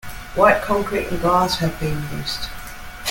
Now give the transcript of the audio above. White concrete and glass have been used.